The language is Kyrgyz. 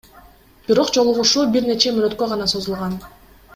Бирок жолугушуу бир нече мүнөткө гана созулган.